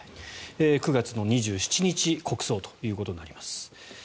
９月２７日国葬ということになります。